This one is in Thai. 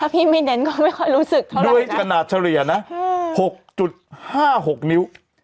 กรราชินิยโลกด้วยขนาดเฉลี่ย๖๕๖นิ้ว